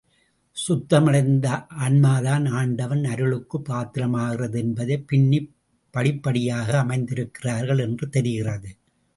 சுத்தமடைந்த ஆன்மாதான், ஆண்டவன் அருளுக்குப் பாத்திரமாகிறது என்பதைப் பின்னிப் படிப்படியாக அமைத்திருக்கிறார்கள் என்று தெரிகிறது.